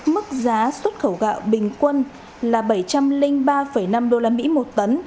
mức giá xuất khẩu gạo bình quân là bảy trăm linh ba năm đô la mỹ một tấn